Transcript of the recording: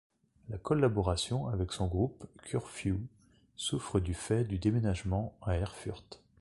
La collaboration avec son groupe Curfew souffre du fait du déménagement à Erfurt.